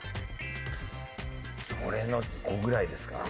それの５ぐらいですか？